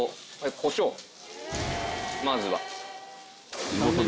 まずは。